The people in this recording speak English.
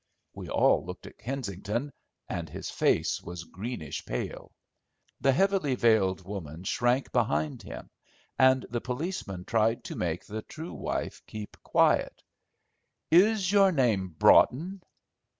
We all looked at Kensington, and his face was greenish pale. The heavily veiled woman shrunk behind him and the policeman tried to make the true wife keep quiet. "Is your name Braughton?"